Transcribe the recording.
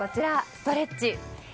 ストレッチ。